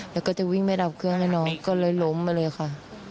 แล้วก็จะวิ่งไม่ดับเครื่องแล้วน้องก็เลยล้มมาเลยค่ะ